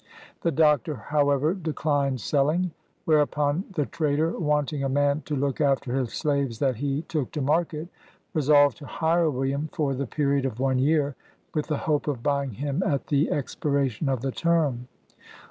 The Doctor, however, declined selling; whereupon, the trader, wanting a man to look after his slaves that he took to market, resolved to hire William for the period of one year, with the hope of buying him at the expi ration of the term.